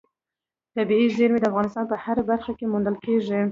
طبیعي زیرمې د افغانستان په هره برخه کې موندل کېږي.